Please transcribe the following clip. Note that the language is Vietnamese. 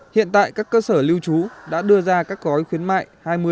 hiện tại các cơ sở lưu trú đã đưa ra các gói khuyến mại hai mươi bốn mươi